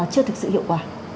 chưa thực sự hiệu quả